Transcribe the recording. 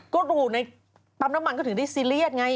ก็อยู่ในปั๊มน้ำมันก็ถึงได้ซีเรียสไง